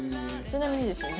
ちなみにですね